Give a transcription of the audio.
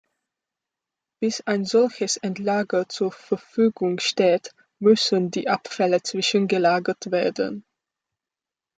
Bis ein solches Endlager zur Verfügung steht, müssen die Abfälle zwischengelagert werden.